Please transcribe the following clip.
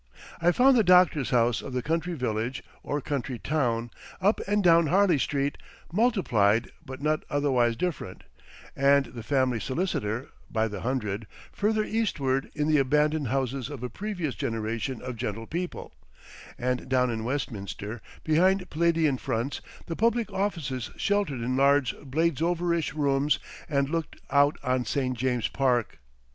I found the doctor's house of the country village or country town up and down Harley Street, multiplied but not otherwise different, and the family solicitor (by the hundred) further eastward in the abandoned houses of a previous generation of gentlepeople, and down in Westminster, behind Palladian fronts, the public offices sheltered in large Bladesoverish rooms and looked out on St. James's Park.